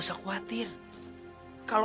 dan itu apa